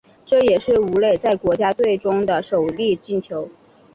这也是武磊在国家队中的首粒进球。